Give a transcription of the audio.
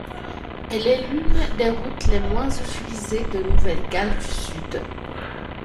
Elle est l'une des routes les moins utilisées de Nouvelle-Galles du Sud.